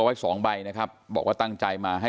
แม่น้องชมพู่แม่น้องชมพู่